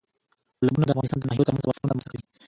تالابونه د افغانستان د ناحیو ترمنځ تفاوتونه رامنځ ته کوي.